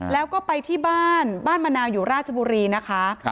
แล้วก็ไปที่บ้านบ้านมะนาวอยู่ราชบุรีนะคะ